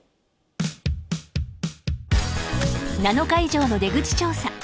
［７日以上の出口調査］